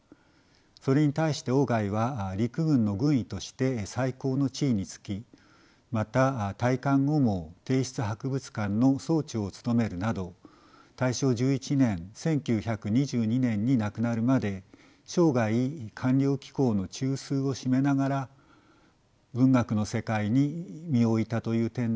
それに対して外は陸軍の軍医として最高の地位につきまた退官後も帝室博物館の総長を務めるなど大正１１年１９２２年に亡くなるまで生涯官僚機構の中枢を占めながら文学の世界に身を置いたという点で特異な存在です。